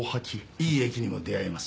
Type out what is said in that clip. いい駅にも出会えます。